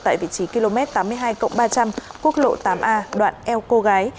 tại vị trí km tám mươi hai ba trăm linh quốc lộ tám a đoạn eo cô gái